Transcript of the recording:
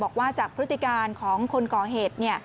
บอกว่าจากพฤติการของคนก่อเหตุ